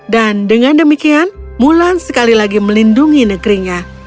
dan dengan demikian mulan sekali lagi melindungi negerinya